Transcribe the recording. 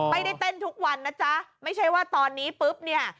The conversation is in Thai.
เต้นทุกวันนะจ๊ะไม่ใช่ว่าตอนนี้ปุ๊บเนี่ย